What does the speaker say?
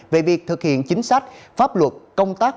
về việc thực hiện chính sách pháp luật công tác